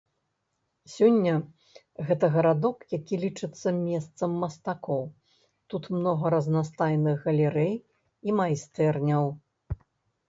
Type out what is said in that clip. Сёння гэта гарадок, які лічыцца месцам мастакоў, тут многа разнастайных галерэй і майстэрняў.